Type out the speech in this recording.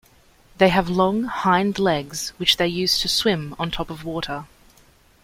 They have long hind legs which they use to swim on top of water.